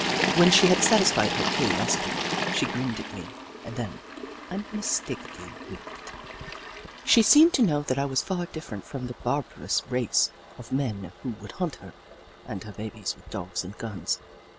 When she had satisfied her curiosity, she grinned at me and then, unmistakably, winked. She seemed to know that I was far different from that barbarous race of men who would hunt her and her babies with dopfs and euns.